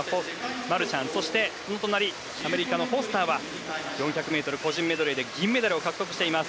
アメリカのフォスターは４００ｍ個人メドレーで銀メダルを獲得しています。